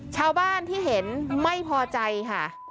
ชาวบ้านที่เห็นไม่พอใจค่ะ